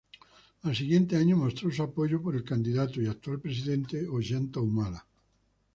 Al siguiente año mostró su apoyo por el candidato y actual presidente Ollanta Humala.